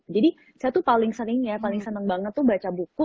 jadi saya tuh paling sering ya paling seneng banget tuh baca buku